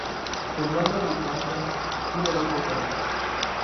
El mando a distancia tiene dos botones.